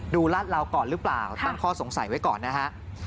ลาดเหลาก่อนหรือเปล่าตั้งข้อสงสัยไว้ก่อนนะฮะ